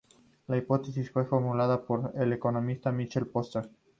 La hipótesis fue formulada por el economista Michael Porter.